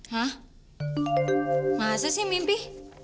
hah masa sih mimpi